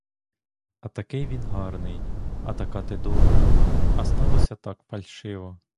А такий він гарний, а така ти добра, а склалося так фальшиво.